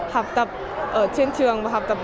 học tập ở trên trường và trong trường